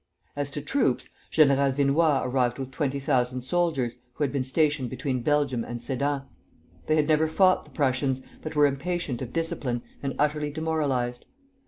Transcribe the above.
As to troops, General Vinoy arrived with twenty thousand soldiers, who had been stationed between Belgium and Sedan. They had never fought the Pussians, but were impatient of discipline and utterly demoralized.